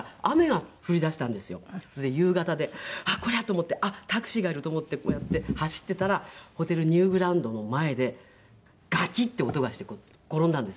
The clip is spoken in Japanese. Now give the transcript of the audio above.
あっこれはと思ってあっタクシーがいると思ってこうやって走っていたらホテルニューグランドの前でガキッて音がして転んだんです。